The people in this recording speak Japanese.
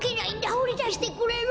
ほりだしてくれる？